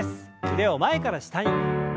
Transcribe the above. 腕を前から下に。